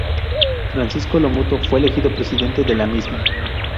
Francisco Lomuto fue elegido presidente de la misma.